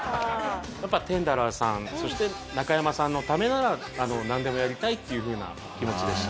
やっぱテンダラーさんそしてなかやまさんのためならなんでもやりたいっていうふうな気持ちでした。